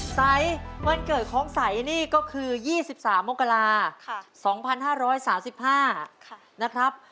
ใสวันเกิดของใสนี่ก็คือ๒๓มกรา๒๕๓๕นะครับ